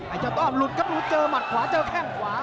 ไอ้เจ้าตอบหลุดครับหลุดเจอมัดขวาเจอแข้งขวา